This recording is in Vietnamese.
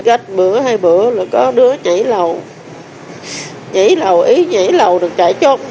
gạch bữa hai bữa là có đứa nhảy lầu nhảy lầu ý nhảy lầu được chạy trốn